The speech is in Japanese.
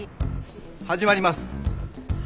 始まります。